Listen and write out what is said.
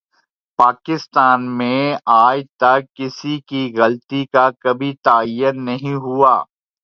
پاکستان میں آج تک کسی کی غلطی کا کبھی تعین نہیں ہوا